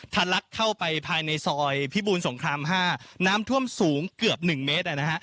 ลักเข้าไปภายในซอยพิบูรสงคราม๕น้ำท่วมสูงเกือบ๑เมตร